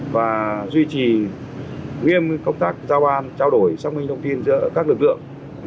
và duy trì nghiêm công tác giao ban trao đổi xác minh thông tin giữa các lực lượng